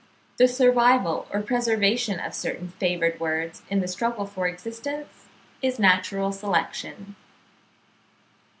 The survival or preservation of certain favoured words in the struggle for existence is natural selection.